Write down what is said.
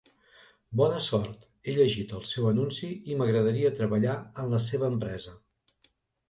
Bona sort, he llegit el seu anunci i m'agradaria treballar en la seva empresa.